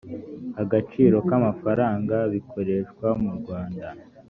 agaciro k amafaranga bikoreshwa mu rwanda